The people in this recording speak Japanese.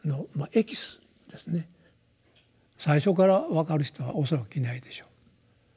最初から分かる人は恐らくいないでしょう。